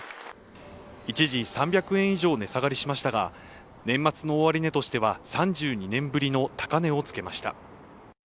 一時、３００円以上値下がりしましたが年末の終値としては３２年ぶりの高値をつけました。